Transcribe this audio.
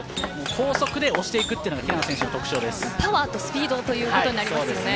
高速で押していくのがパワーとスピードということですね。